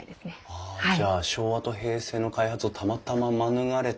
はあじゃあ昭和と平成の開発をたまたま免れたってことですね。